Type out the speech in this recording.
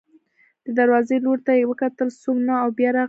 د دروازې لوري ته یې وکتل، څوک نه و او بیا راغله.